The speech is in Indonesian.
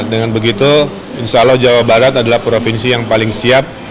dengan begitu insya allah jawa barat adalah provinsi yang paling siap